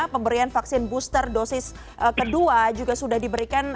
pemberian vaksin booster dosis kedua juga sudah diberikan